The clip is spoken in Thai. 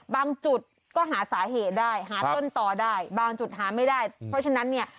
บางจุดก็หาสาเหตุได้หาต้นต่อได้บางจุดหาไม่ได้เพราะฉะนั้นเนี่ย